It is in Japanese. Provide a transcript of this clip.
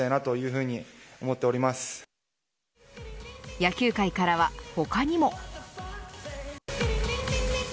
野球界からは他にも。